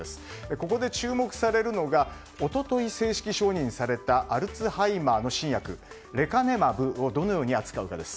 ここで注目されるのが一昨日、正式承認されたアルツハイマーの新薬レカネマブをどのように扱うかです。